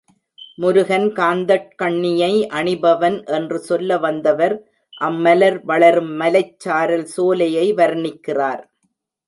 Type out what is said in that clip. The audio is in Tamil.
முருகன் காந்தட் கண்ணியை அணிபவன் என்று சொல்ல வந்தவர், அம் மலர் வளரும் மலைச் சாரல் சோலையை வர்ணிக்கிறார்.